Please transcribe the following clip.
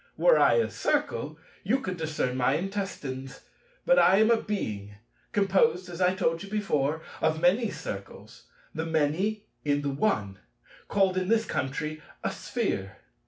Were I a Circle, you could discern my intestines, but I am a Being, composed as I told you before, of many Circles, the Many in the One, called in this country a Sphere.